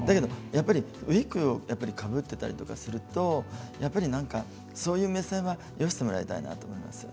ウイッグをかぶっていたりするとそういう目線はよしてもらいたいなと思います。